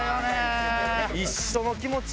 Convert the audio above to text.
一緒の気持ち。